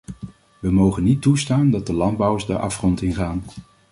We mogen niet toestaan dat de landbouwers de afgrond ingaan.